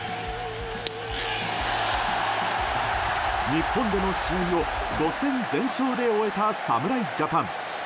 日本での試合を５戦全勝で終えた侍ジャパン。